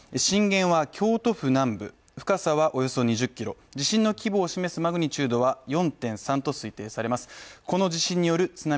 震源は京都府南部深さはおよそ２０キロ地震の規模を示すマグニチュードは４．３と推定されます。